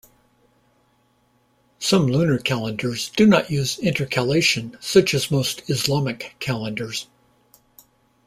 Some lunar calendars do not use intercalation, such as most Islamic calendars.